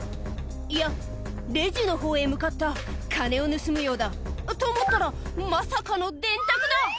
いやレジのほうへ向かった金を盗むようだと思ったらまさかの電卓だ